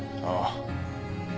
ああ。